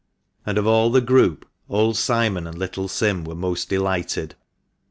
And of all the group old Simon and little Sim were most delighted.